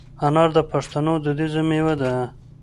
انار د پښتنو دودیزه مېوه ده.